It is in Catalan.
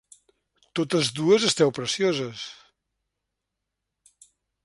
Totes dues esteu precioses...